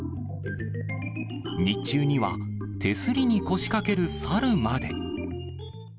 日中には、手すりに腰掛けるサルまで。